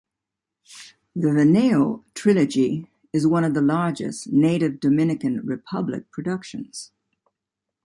The Veneno trilogy is one of the largest native Dominican Republic productions.